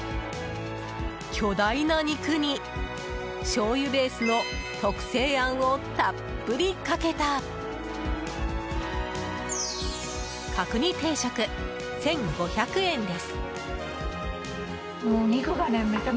巨大な肉に、しょうゆベースの特製あんをたっぷりかけた角煮定食、１５００円です。